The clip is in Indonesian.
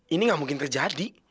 ini enggak mungkin terjadi